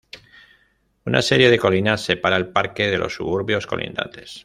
Una serie de colinas separa el parque de los suburbios colindantes.